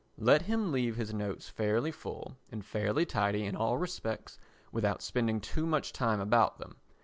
Let him leave his notes fairly full and fairly tidy in all respects, without spending too much time about them.